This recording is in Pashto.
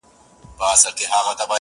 مزې تا وکړې چارګله